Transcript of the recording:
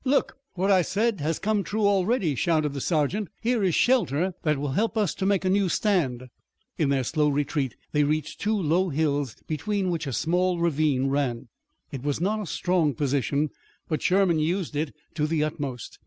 "Look! What I said has come true already!" shouted the sergeant. "Here is shelter that will help us to make a new stand!" In their slow retreat they reached two low hills, between which a small ravine ran. It was not a strong position, but Sherman used it to the utmost.